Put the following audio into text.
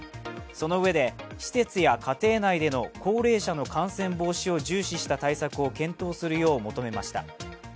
そのうえで施設や家庭内での高齢者の感染防止を重視した対策を検討するよう求めました。